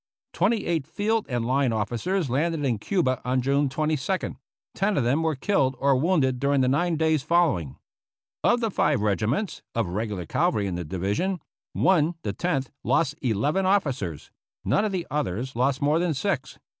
Twenty eight field and line officers landed in Cuba on June 22d ; ten of them were killed or wounded during the nine days following. Of the five regiments of regular cavalry in the division, one, the Tenth, lost eleven officers ; none of the others lost more than six.